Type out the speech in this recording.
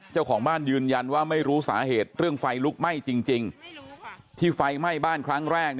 เจ้าของบ้านยืนยันว่าไม่รู้สาเหตุเรื่องไฟลุกไหม้จริงที่ไฟไหม้บ้านครั้งแรก